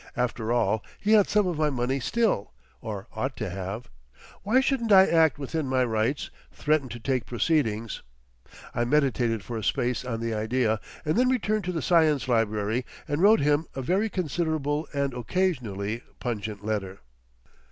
After all, he had some of my money still, or ought to have. Why shouldn't I act within my rights, threaten to 'take proceedings'? I meditated for a space on the idea, and then returned to the Science Library and wrote him a very considerable and occasionally pungent letter.